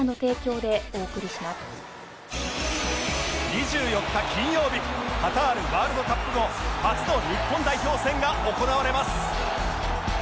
２４日金曜日カタールワールドカップ後初の日本代表戦が行われます